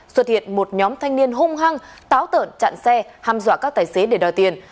xuất hiện một nhóm thanh niên hung hăng táo tợn chặn xe ham dọa các tài xế để đòi tiền